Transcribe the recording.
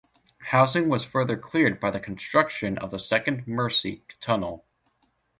Housing was further cleared by the construction of the second Mersey tunnel.